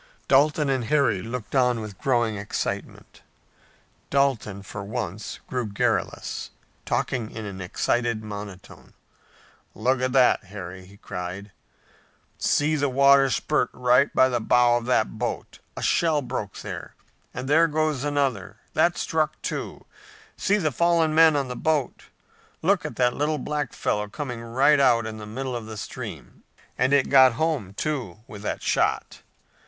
Dalton and Harry looked on with growing excitement. Dalton, for once, grew garrulous, talking in an excited monotone. "Look at that, Harry!" he cried. "See the water spurt right by the bow of that boat! A shell broke there! And there goes another! That struck, too! See the fallen men on the boat! Look at that little black fellow coming right out in the middle of the stream! And it got home, too, with that shot!